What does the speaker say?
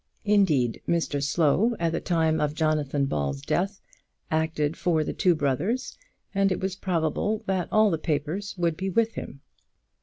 Indeed, Mr Slow, at the time of Jonathan Ball's death, acted for the two brothers, and it was probable that all the papers would be with him.